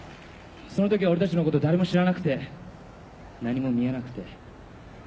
そのときは俺たちのこと誰も知らなくて何も見えなくて。